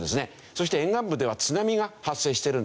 そして沿岸部では津波が発生してるんですね。